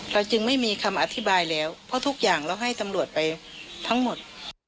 จึงไม่มีคำอธิบายแล้วเพราะทุกอย่างเราให้ตำรวจไปทั้งหมด